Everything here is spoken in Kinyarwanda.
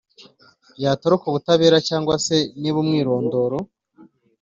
Yatoroka ubutabera cyangwa se niba umwirondoro